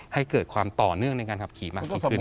ให้เกิดความต่อเนื่องในการขับขี่มากยิ่งขึ้น